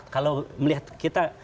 kalau melihat kita